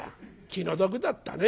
「気の毒だったね」。